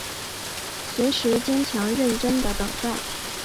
随时坚强认真的等待